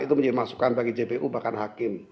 itu menjadi masukan bagi jpu bahkan hakim